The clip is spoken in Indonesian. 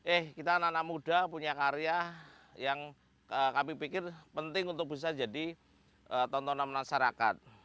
eh kita anak anak muda punya karya yang kami pikir penting untuk bisa jadi tontonan masyarakat